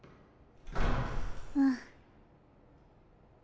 うん。